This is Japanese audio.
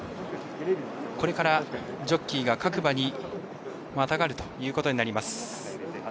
これから、ジョッキーが各馬にまたがるということになります。